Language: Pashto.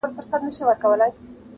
زر له مسو څخه باسې جادو ګر یې!.